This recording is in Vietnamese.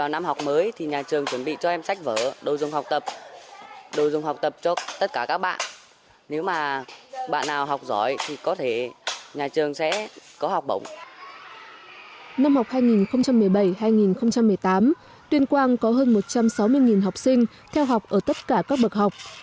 năm học hai nghìn một mươi bảy hai nghìn một mươi tám tuyên quang có hơn một trăm sáu mươi học sinh theo học ở tất cả các bậc học